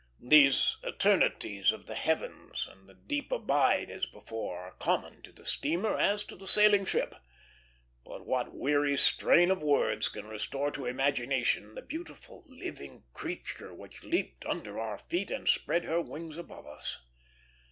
These eternities of the heavens and the deep abide as before, are common to the steamer as to the sailing ship; but what weary strain of words can restore to imagination the beautiful living creature which leaped under our feet and spread her wings above us?